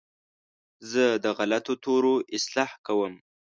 زه د غلطو تورو اصلاح کوم.